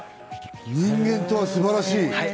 人間とは素晴らしい！